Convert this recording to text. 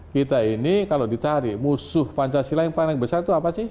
kita ini kalau ditarik musuh pancasila yang paling besar itu apa sih